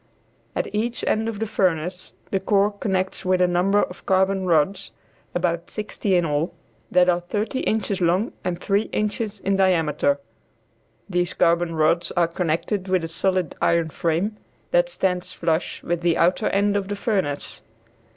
At each end of the furnace the core connects with a number of carbon rods about sixty in all that are thirty inches long and three inches in diameter. These carbon rods are connected with a solid iron frame that stands flush with the outer end of the furnace.